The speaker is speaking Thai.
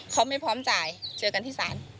เขาไม่พร้อมจ่ายเจอกันที่ศาล